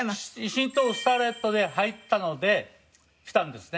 新東宝スターレットで入ったので来たんですね。